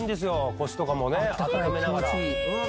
腰とかもねあっためながら。